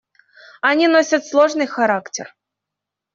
Они носят сложный характер.